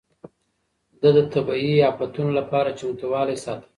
ده د طبيعي افتونو لپاره چمتووالی ساته.